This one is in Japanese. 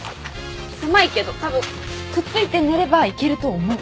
狭いけどたぶんくっついて寝ればいけると思う。